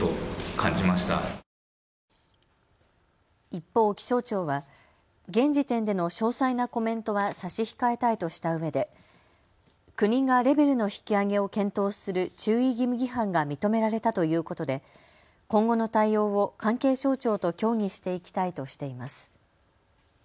一方、気象庁は現時点での詳細なコメントは差し控えたいとしたうえで国がレベルの引き上げを検討する注意義務違反が認められたということで今後の対応を関係省庁と協議していきたいとしています。